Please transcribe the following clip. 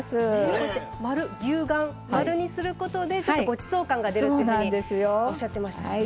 こうやって丸牛丸丸にすることでちょっとごちそう感が出るっていうふうにおっしゃってましたね。